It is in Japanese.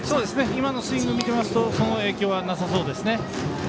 今のスイングを見てますとその影響はなさそうですね。